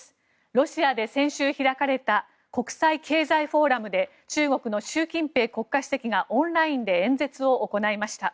ロシアで先週、開かれた国際経済フォーラムで中国の習近平国家主席がオンラインで演説を行いました。